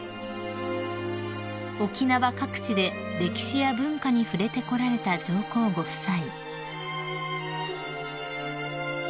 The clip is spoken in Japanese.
［沖縄各地で歴史や文化に触れてこられた上皇ご夫妻］